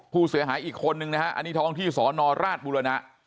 ผู้เสียหายอีกคนนึงนะฮะอันนี้ท้องที่สอนอราชบุรณะ